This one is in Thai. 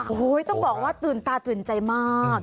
โอ้โหต้องบอกว่าตื่นตาตื่นใจมาก